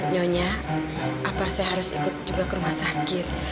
nyonya apa saya harus ikut juga ke rumah sakit